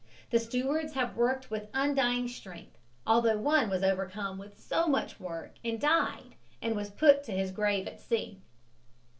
The stewards have worked with undying strength although one was overcome with so much work and died and was put to his grave at sea.